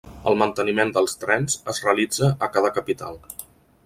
El manteniment dels trens es realitza a cada capital.